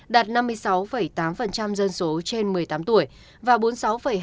đạt năm mươi sáu tám dân số trên một mươi tám tuổi và bốn mươi sáu năm tổng dân số